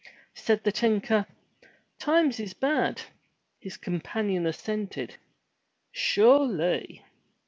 Said the tinker, "Times is bad!" His companion assented, "Sure ly!"